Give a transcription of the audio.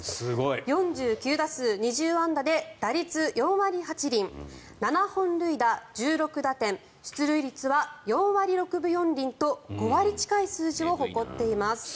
４９打数２０安打で打率４割８厘７本塁打１６打点出塁率は４割６分４厘と５割近い数字を誇っています。